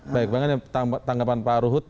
baik tanggapan pak ruhut